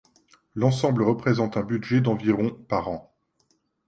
L’ensemble représente un budget d’environ par an.